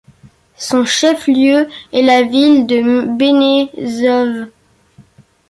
Son chef-lieu est la ville de Benešov.